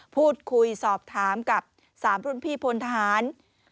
พูดคุยสอบถามกับ๓รุ่นพี่พลทหาร